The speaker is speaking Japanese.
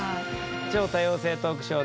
「超多様性トークショー！